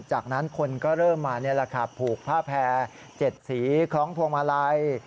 จากนั้นคนก็เริ่มมาผูกผ้าแพร่๗สีของทวงมาลัย